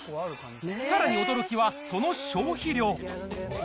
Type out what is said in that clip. さらに驚きはその消費量。